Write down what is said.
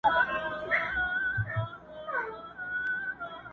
اوس به څوك لېږي ميرا ته غزلونه،